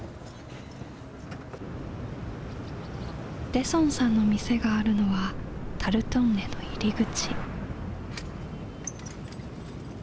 デソンさんの店があるのはタルトンネの入り口。